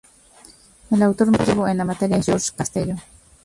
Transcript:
El autor más representativo en la materia es Jorge Castelló.